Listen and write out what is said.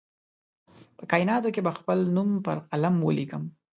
په کائیناتو کې به خپل نوم پر قمر ولیکم